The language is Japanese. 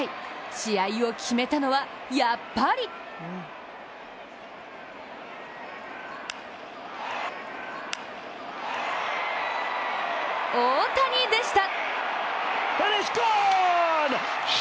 試合を決めたのはやっぱり大谷でした！